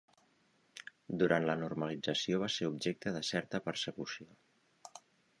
Durant la Normalització va ser objecte de certa persecució.